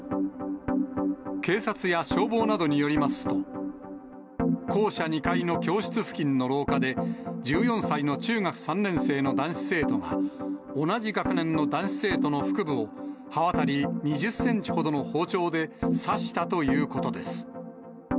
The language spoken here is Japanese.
警察や消防などによりますと、校舎２階の教室付近の廊下で、１４歳の中学３年生の男子生徒が、同じ学年の男子生徒の腹部を、刃渡り２０センチほどの包丁で刺したということです。